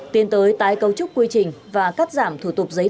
tiến tới tái cấu trúc quy trình và cắt giảm thủ tục hành chính